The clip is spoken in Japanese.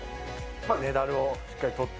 メダルをしっかりとって。